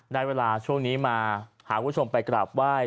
ได้เวลาช่วงนี้มาพาคุณผู้ชมไปกราบไหว้